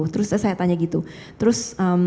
terus saya tanya gitu terus